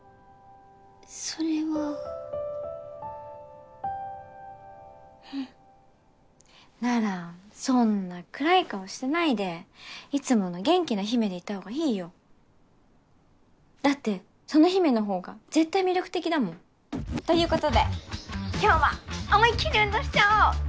それはうんならそんな暗い顔しないでいつもの元気な陽芽でいた方がいいよだってその陽芽の方が絶対魅力的だもんということで今日は思いっきり運動しちゃおう！